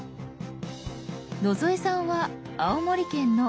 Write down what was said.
野添さんは青森県の浅虫温泉。